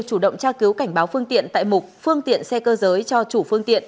chủ động tra cứu cảnh báo phương tiện tại mục phương tiện xe cơ giới cho chủ phương tiện